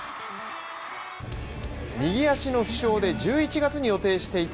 右足の負傷で１１月に予定していた